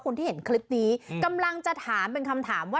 คนที่เห็นคลิปนี้กำลังจะถามเป็นคำถามว่า